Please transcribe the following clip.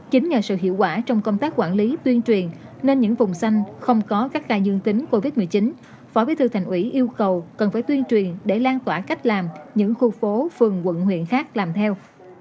chính nhờ sự hiệu quả trong công tác quản lý tuyên truyền nên những vùng xanh không có các ca dương tính covid một mươi chín phó bí thư thành ủy yêu cầu cần phải tuyên truyền để lan tỏa cách làm những khu phố phường quận huyện khác làm theo